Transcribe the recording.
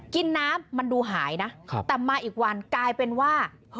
น้ำมันดูหายนะแต่มาอีกวันกลายเป็นว่า